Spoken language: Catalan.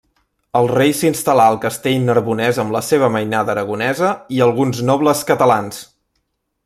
El rei s'instal·là al Castell Narbonès amb la seva mainada aragonesa i alguns nobles catalans.